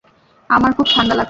আমার খুব ঠান্ডা লাগছে।